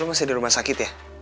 masih di rumah sakit ya